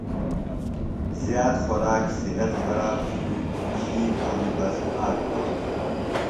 زیات خوراک صِحت خراب تھی۔ شُوئیۡ گُولیۡ بس آک کھوئیۡ۔